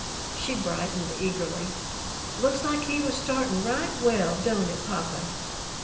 She brightened eagerly. "Looks like he was startin' right well don't it, papa?"